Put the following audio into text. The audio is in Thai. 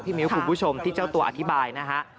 พี่มิวคุณผู้ชมที่เจ้าตัวอธิบายนะครับ